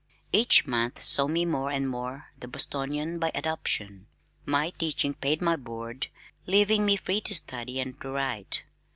Each month saw me more and more the Bostonian by adoption. My teaching paid my board, leaving me free to study and to write.